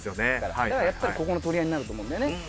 だからやっぱりここの取り合いになると思うんだよね。